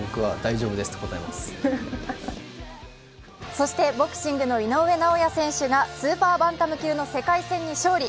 そしてボクシングの井上尚弥選手がスーパーバンタム級の世界戦に勝利。